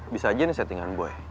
bisa jadi settingan boy